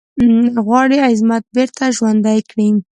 غواړي عظمت بیرته ژوندی کړی.